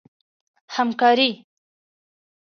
همکاري